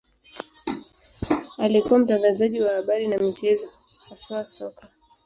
Alikuwa mtangazaji wa habari na michezo, haswa soka.